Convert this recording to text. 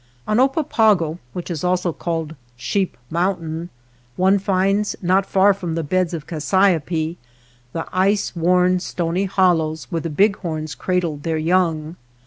On Oppapago, which is also called Sheep Mountain, one finds not far from the beds of cassiope the ice worn, stony hollows where the bighorns cradle their young.